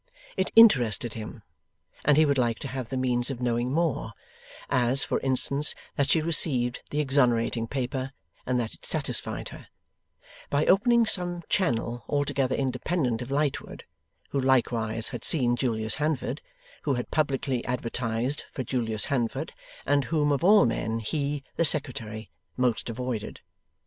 It interested him, and he would like to have the means of knowing more as, for instance, that she received the exonerating paper, and that it satisfied her by opening some channel altogether independent of Lightwood: who likewise had seen Julius Handford, who had publicly advertised for Julius Handford, and whom of all men he, the Secretary, most avoided.